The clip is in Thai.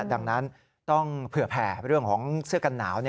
ดังนั้นต้องเผื่อแผ่เรื่องของเสื้อกันหนาว